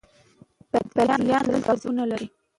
پردیان دلته ځواکونه لري.